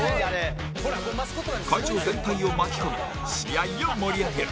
会場全体を巻き込み試合を盛り上げる